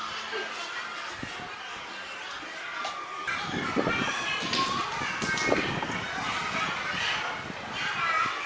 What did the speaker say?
น้องน้องได้อยู่ทั้งส่วน